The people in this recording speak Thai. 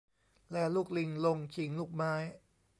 แลลูกลิงลงชิง ลูกไม้